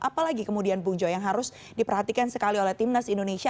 apalagi kemudian bung joy yang harus diperhatikan sekali oleh timnas indonesia